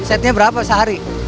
omsetnya berapa sehari